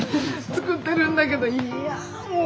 作ってるんだけどいやもう！